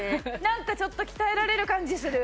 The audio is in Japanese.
なんかちょっと鍛えられる感じする。